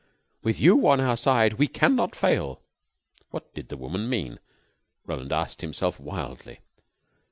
"With you on our side we can not fail." What did the woman mean? Roland asked himself wildly.